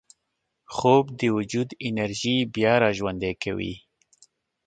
خوب د وجود انرژي بیا راژوندي کوي